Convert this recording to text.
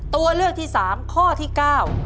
ตัวเลือกที่สามข้อที่เก้า